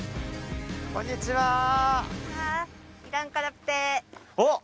こんにちはおっ